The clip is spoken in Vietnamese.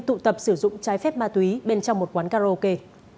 tụ tập sử dụng trái phép ma túy bên trong một quán karaoke